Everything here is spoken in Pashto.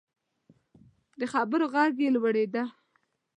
د خبرو غږ یې لوړیده.